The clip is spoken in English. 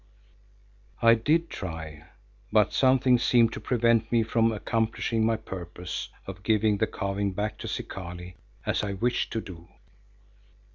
I did try, but something seemed to prevent me from accomplishing my purpose of giving the carving back to Zikali as I wished to do.